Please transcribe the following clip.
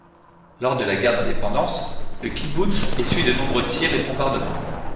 Lors de la Guerre d'Indépendance, le kibboutz essuie de nombreux tirs et bombardements.